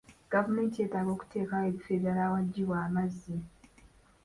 Gavumenti yeetaaga okuteekawo ebifo ebirala awaggibwa amazzi.